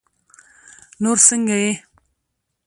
نور څنګه يې؟